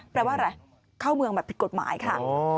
แปลว่าอะไรเข้าเมืองแบบผิดกฎหมายค่ะ